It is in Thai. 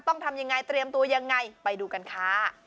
ต้องทำยังไงเตรียมตัวยังไงไปดูกันค่ะ